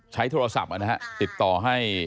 ใช้โทรศัพท์ติดต่อให้